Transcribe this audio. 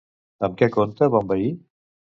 Amb què compta Bonvehí?